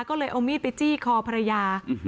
ก็เลยเอามีดไปจี้คอภรรยา